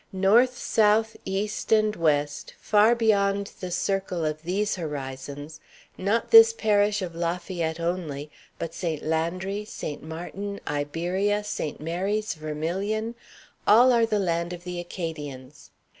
North, south, east, and west, far beyond the circle of these horizons, not this parish of Lafayette only, but St. Landry, St. Martin, Iberia, St. Mary's, Vermilion, all are the land of the Acadians.